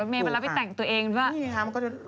เมื่อกี้เล่นของโรดเมล์มาแล้วไปแต่งตัวเอง